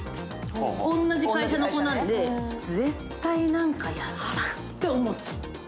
同じ会社の子なんで絶対何かやってるって思ってる。